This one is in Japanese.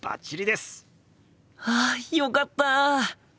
はあよかった！